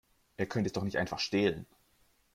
Ihr könnt es doch nicht einfach stehlen!